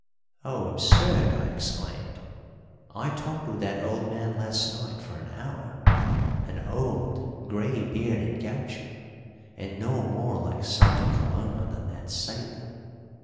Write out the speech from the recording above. "Oh, absurd!" I exclaimed. "I talked with that old man last night for an hour an old grey bearded gaucho, and no more like Santa Coloma than that sailor."